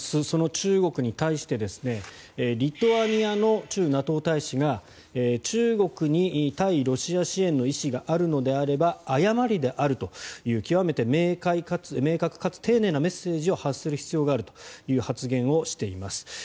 その中国に対してリトアニアの駐ＮＡＴＯ大使が中国に対ロシア支援の意思があるのであれば誤りであるという極めて明確かつ丁寧なメッセージを発する必要があるという発言をしています。